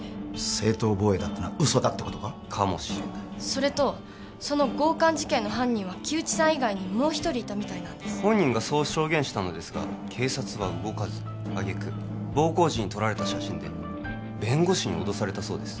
正当防衛だってのは嘘ってことかかもしれないそれとその強姦事件の犯人はもう一人いたみたいなんです本人がそう証言したのですが警察は動かずあげく暴行時に撮られた写真で弁護士に脅されたそうです